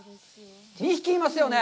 ２匹いますよね？